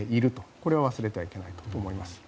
これを忘れてはいけないと思います。